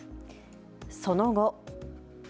その後。